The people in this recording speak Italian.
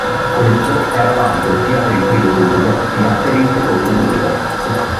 Questo era valido sia per il primo turno sia per il secondo turno.